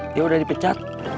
dia udah dipecat